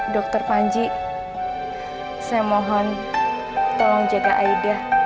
dokter panji saya mohon tolong jaga aida